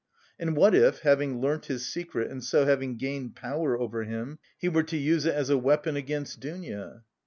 And what if, having learnt his secret and so having gained power over him, he were to use it as a weapon against Dounia?